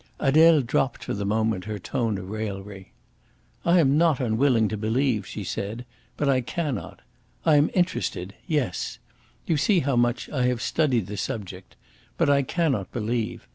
Adele dropped for the moment her tone of raillery. "I am not unwilling to believe," she said, "but I cannot. I am interested yes. You see how much I have studied the subject. But I cannot believe.